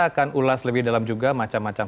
akan ulas lebih dalam juga macam macam